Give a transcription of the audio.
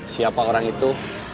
siapa orang itu